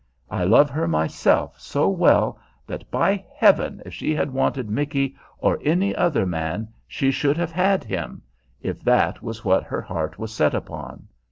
"I love her myself so well that, by Heaven! if she had wanted Micky or any other man, she should have had him, if that was what her heart was set upon.